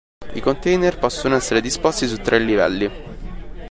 I container possono essere disposti su tre livelli.